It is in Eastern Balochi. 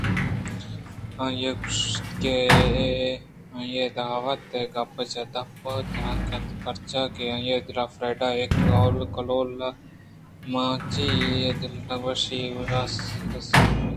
آئیءَ گوٛشت کہ آئی ءِ دعوت ءِ گپ چہ دپ ءَ دراتکگ پرچاکہ آئی ءِ دل ءَ فریڈا ءُاے کہول ءِ میانجی ءَ دل نہ وشی ئے است اِنت